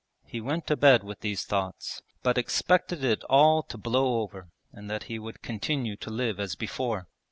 He went to bed with these thoughts, but expected it all to blow over and that he would continue to live as before.